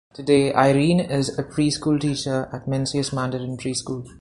Today Irene is a preschool teacher at Mencius Mandarin Preschool.